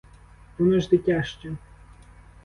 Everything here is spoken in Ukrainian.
Воно ж дитя ще.